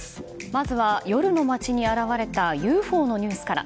まずは夜の街に現れたＵＦＯのニュースから。